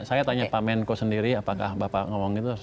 saya tanya pak menko sendiri apakah bapak ngomong itu